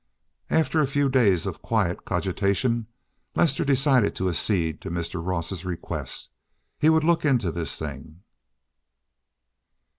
After a few days of quiet cogitation, Lester decided to accede to Mr. Ross's request; he would look into this thing.